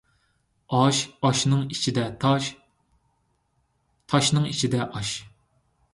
ئاش ئاشنىڭ ئىچىدە تاش تاشنىڭ ئىچىدە ئاش